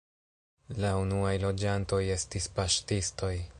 La unuaj loĝantoj estis paŝtistoj.